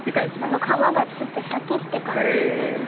かわがちょっとシャキッてかんじして。